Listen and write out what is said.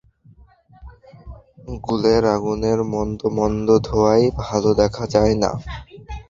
গুলের আগুনের মন্দ মন্দ ধোঁয়ায় ভালো দেখা যায় না।